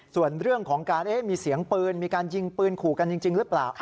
ส่วนเรื่องของการมีเสียงปืนมีการยิงปืนขู่กันจริงหรือเปล่า